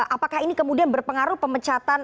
apakah ini kemudian berpengaruh pemecatan